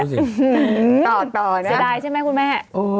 เสียดายใช่มั้ยคุณแม่